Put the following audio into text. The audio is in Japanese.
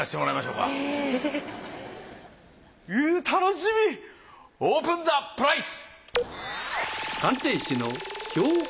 うぅ楽しみオープンザプライス。